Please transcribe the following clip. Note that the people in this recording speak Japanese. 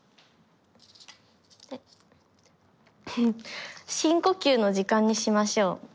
フフッ「深呼吸の時間にしましょう」。